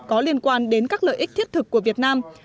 có liên quan đến các lợi ích thiết thực của việt nam